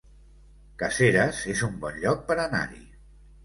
Caseres es un bon lloc per anar-hi